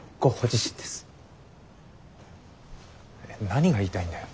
何が言いたいんだよ。